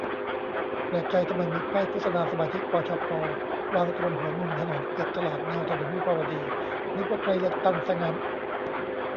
แปลกใจทำไมมีป้ายโฆษณาสมาชิก ปชป วางตรงหัวมุมถนนเกือบตลอดแนวถนนวิภาวดี นึกว่าใกล้เลือกตั้งซะงั้น